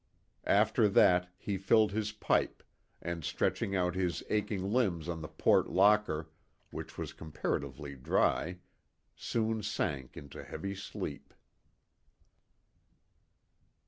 After that, he filled his pipe and, stretching out his aching limbs on the port locker, which was comparatively dry, soon sank into heavy sleep.